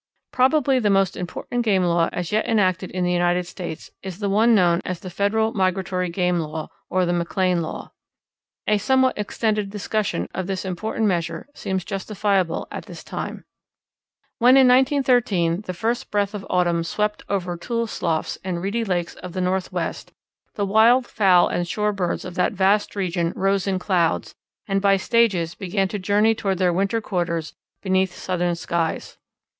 _ Probably the most important game law as yet enacted in the United States is the one known as the Federal Migratory Game Law or the McLean Law. A somewhat extended discussion of this important measure seems justifiable at this time. [Illustration: Migrative Birds Are Protected by the Government] When, in 1913, the first breath of autumn swept over the tule sloughs and reedy lakes of the North west, the wild fowl and shore birds of that vast region rose in clouds, and by stages began to journey toward their winter quarters beneath Southern skies.